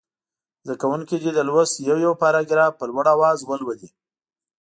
زده کوونکي دې د لوست یو یو پاراګراف په لوړ اواز ولولي.